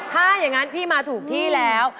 ถ้าอย่างนั้นพี่มาถูกที่แล้ว